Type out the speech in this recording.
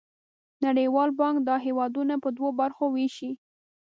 نړیوال بانک دا هېوادونه په دوه برخو ویشي.